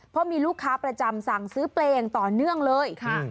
เพราะมีลูกค้าประจำสั่งซื้อเปรย์อย่างต่อเนื่องเลยค่ะ